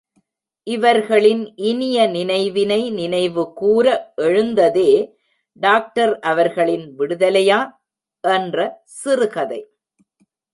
இவர்களின் இனிய நினைவினை நினைவுகூர எழுந்ததே டாக்டர் அவர்களின் விடுதலையா? என்ற சிறுகதை.